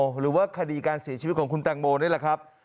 หรือว่าคดีการเสียชีวิตของคุณแตงโมนี่แหละครับ